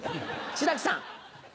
志らくさん。